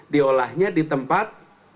diolahnya di tempat